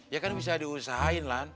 ya kan bisa diusahain kan